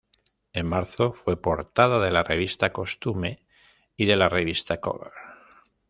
En marzo fue portada de la revista Costume y de la revista Cover.